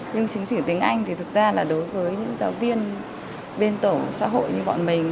nhưng chứng chỉ tiếng anh thì thực ra là đối với những giáo viên bên tổ xã hội như bọn mình